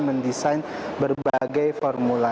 mendesain berbagai formula